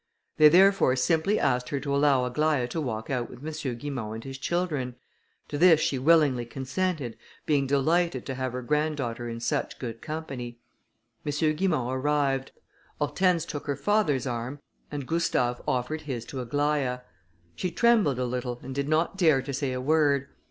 They therefore simply asked her to allow Aglaïa to walk out with M. Guimont and his children. To this she willingly consented, being delighted to have her granddaughter in such good company. M. Guimont arrived. Hortense took her father's arm, and Gustave offered his to Aglaïa. She trembled a little, and did not dare to say a word.